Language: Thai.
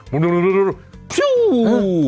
บรรรรรรพิ้ววววว